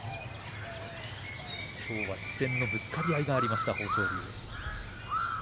きょうは視線のぶつかり合いがありました。